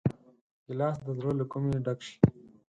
ګیلاس د زړه له کومي ډک شي.